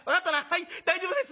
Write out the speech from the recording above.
「はい大丈夫です。